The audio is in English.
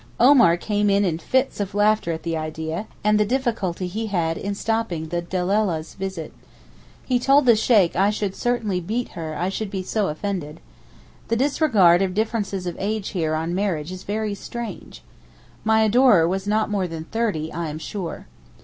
Omar came in in fits of laughter at the idea, and the difficulty he had had in stopping the dellaleh's visit. He told the Sheykh I should certainly beat her I should be so offended. The disregard of differences of age here on marriage is very strange. My adorer was not more than thirty, I am sure.